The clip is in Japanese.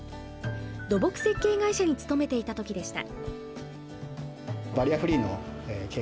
土木設計会社に勤めていた時でした。